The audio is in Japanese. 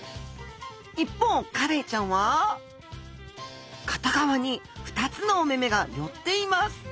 一方カレイちゃんは片側に２つのお目々が寄っています。